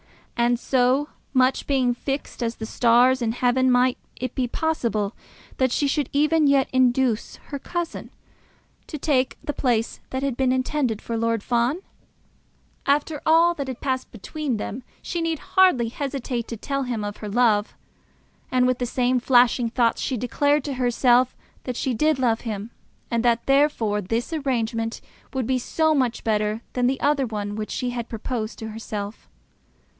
And, so much being fixed as the stars in heaven, might it be possible that she should even yet induce her cousin to take the place that had been intended for Lord Fawn? After all that had passed between them she need hardly hesitate to tell him of her love. And with the same flashing thoughts she declared to herself that she did love him, and that therefore this arrangement would be so much better than that other one which she had proposed to herself.